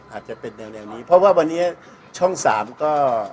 อาจจะเป็นแนวนี้เพราะว่าวันนี้ช่องสามก็